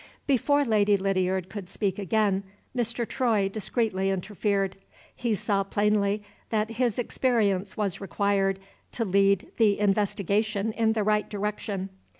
Before Lady Lydiard could speak again, Mr. Troy discreetly interfered. He saw plainly that his experience was required to lead the investigation in the right direction.